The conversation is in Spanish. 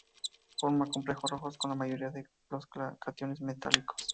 Forma complejos rojos con la mayoría de los cationes metálicos.